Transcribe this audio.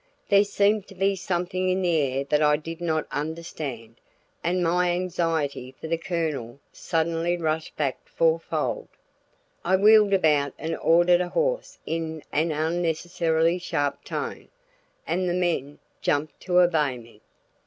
There seemed to be something in the air that I did not understand, and my anxiety for the Colonel suddenly rushed back fourfold. I wheeled about and ordered a horse in an unnecessarily sharp tone, and the men jumped to obey me.